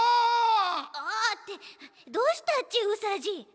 「あ！」ってどうしたちうさじい。